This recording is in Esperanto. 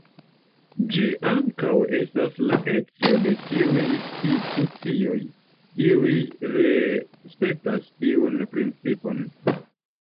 Ĝi ankaŭ estas la eco de tiuj institucioj, kiuj respektas tiun principon.